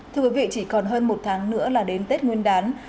thưa quý vị chỉ còn hơn một tháng nữa là đến tết nguyên đán